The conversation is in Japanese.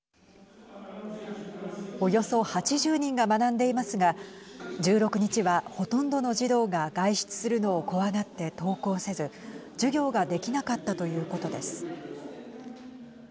およそ８０人が学んでいますが１６日は、ほとんどの児童が外出するのを怖がって登校せず授業ができなかったということです。